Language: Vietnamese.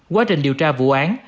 quá trình điều tra vụ án